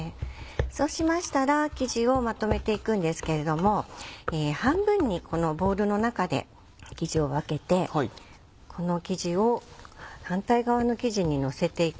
そうしましたら生地をまとめていくんですけれども半分にこのボウルの中で生地を分けてこの生地を反対側の生地にのせていく。